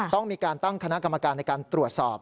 ต้องมีการตั้งคณะกรรมการในการตรวจสอบ